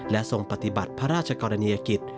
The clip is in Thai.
และทรงปฏิบัติพระราชกรณียกิจ